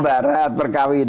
betul jadi ibarat perkawinan